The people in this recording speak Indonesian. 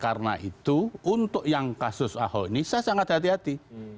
karena itu untuk yang kasus ahok ini saya sangat hati hati